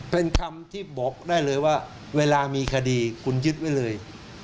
เป็นคำที่บอกได้เลยว่าเวลามีคดีคุณยึดไว้เลย